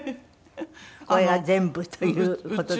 これが全部という事だそうで。